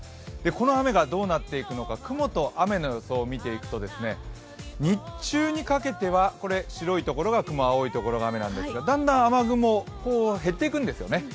この雨がどうなっていくのか、雲と雨の様子を見ていくと、日中にかけては、白い所が雲、青い所が雨なんですけど、だんだん雨雲、減っていくんですね。